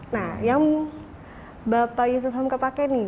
nah yang bapak yusuf hamka pakai nih